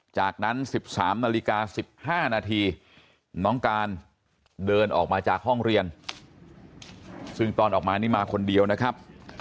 จากนั้น๑๓นาฬิกา๑๕นาทีน้องการเดินออกมาจากห้องเรียนซึ่งตอนออกมานี่มาคนเดียวนะครับ